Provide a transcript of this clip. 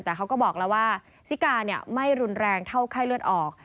แต่เขาก็บอกแล้วว่าซิกาไม่รุนแรงเท่าไข้เลือดออก